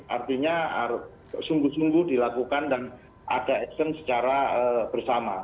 artinya sungguh sungguh dilakukan dan ada action secara bersama